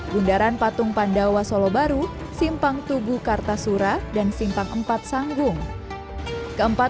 bundaran patung pandawa solo baru simpang tugu kartasura dan simpang empat sanggung keempat